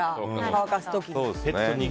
乾かす時に。